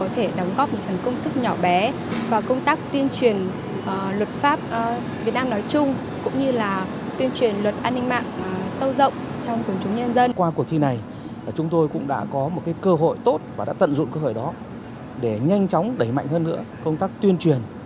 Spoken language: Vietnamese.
thông qua cuộc thi này chúng tôi cũng đã có một cơ hội tốt và đã tận dụng cơ hội đó để nhanh chóng đẩy mạnh hơn nữa công tác tuyên truyền